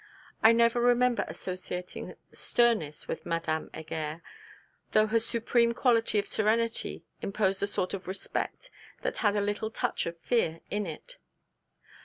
I never remember associating sternness with Madame Heger; though her supreme quality of serenity imposed a sort of respect that had a little touch of fear in it.